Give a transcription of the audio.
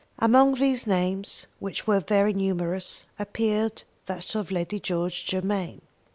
Among these names, which were very numerous, appeared that of Lady George Germain.